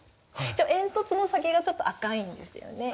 煙突の先が、ちょっと赤いんですよね。